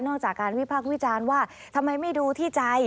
จากการวิพากษ์วิจารณ์ว่าทำไมไม่ดูที่ใจ